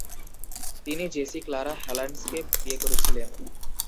তিনি Jessie Clara হল্যান্ডসকে বিয়ে করেছিলেন।